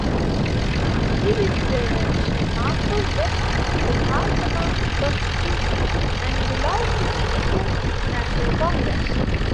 He represents Nagpur West (Vidhan Sabha constituency) and belongs to the Indian National Congress.